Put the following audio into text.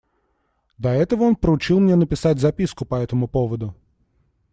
До этого он поручил мне написать записку по этому поводу.